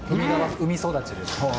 海育ちです。